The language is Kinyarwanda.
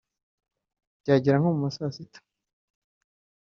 Byagera nko mu ma saa sita